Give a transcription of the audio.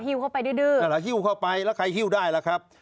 ฮิ้วเข้าไปดื้อนะครับฮิ้วเข้าไปแล้วใครฮิ้วได้ล่ะครับ